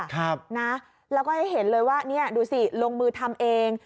ครับนะแล้วก็ให้เห็นเลยว่าเนี่ยดูสิลงมือทำเอง